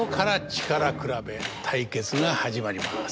対決が始まります。